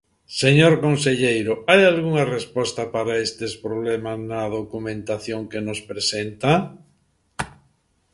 Señor conselleiro, ¿hai algunha resposta para estes problemas na documentación que nos presenta?